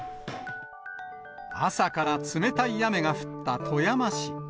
朝から冷たい雨が降った富山市。